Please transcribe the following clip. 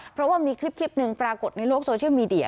เพราะว่ามีคลิปหนึ่งปรากฏในโลกโซเชียลมีเดีย